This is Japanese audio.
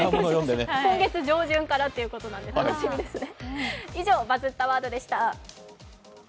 今月上旬からということですから、楽しみですね。